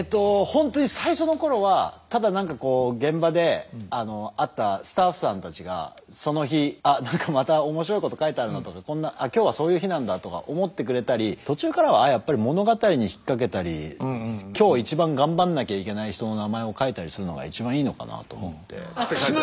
本当に最初の頃はただ何かこう現場で会ったスタッフさんたちがその日「あっ何かまた面白いこと書いてあるな」とか「今日はそういう日なんだ」とか思ってくれたり途中からはやっぱり物語に引っ掛けたり今日一番頑張んなきゃいけない人の名前を書いたりするのが一番いいのかなと思って。